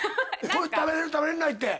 食べられる食べられないって。